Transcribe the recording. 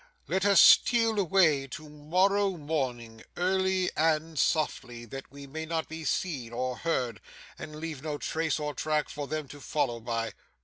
'Let us steal away to morrow morning early and softly, that we may not be seen or heard and leave no trace or track for them to follow by.